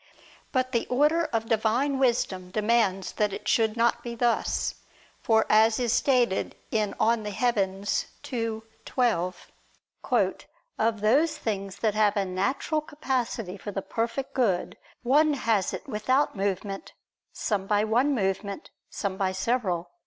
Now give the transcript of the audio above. But the order of Divine wisdom demands that it should not be thus; for as is stated in De Coelo ii, 12, "of those things that have a natural capacity for the perfect good, one has it without movement, some by one movement, some by several."